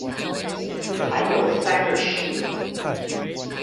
還有三個十